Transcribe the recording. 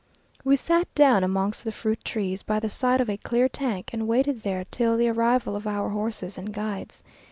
We sat down amongst the fruit trees, by the side of a clear tank, and waited there till the arrival of our horses and guides.